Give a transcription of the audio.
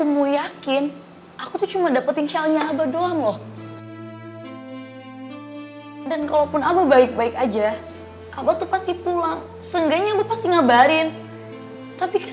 gak tau obar sama siapa